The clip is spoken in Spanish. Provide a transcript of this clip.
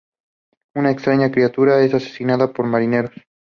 Una extraña criatura es asesinada por marineros.